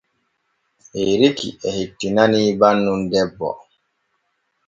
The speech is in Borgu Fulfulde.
Eriki e hettinanii bannun debbo.